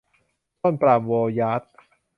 ต้นปาล์มโวยาจ